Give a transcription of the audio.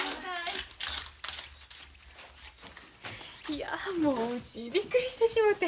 いやもううちびっくりしてしもて。